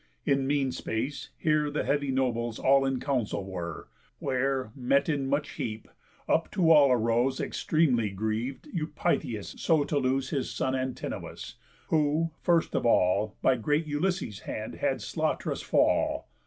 In mean space here The heavy nobles all in council were; Where, met in much heap, up to all arose Extremely griev'd Eupitheus so to lose His son Antinous, who, first of all, By great Ulysses' hand had slaught'rous fall.